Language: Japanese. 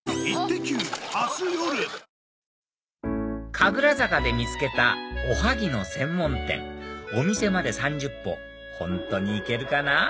神楽坂で見つけたおはぎの専門店お店まで３０歩本当に行けるかな？